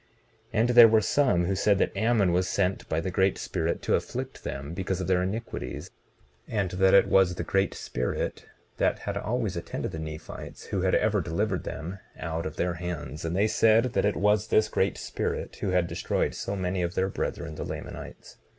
19:27 And there were some who said that Ammon was sent by the Great Spirit to afflict them because of their iniquities; and that it was the Great Spirit that had always attended the Nephites, who had ever delivered them out of their hands; and they said that it was this Great Spirit who had destroyed so many of their brethren, the Lamanites.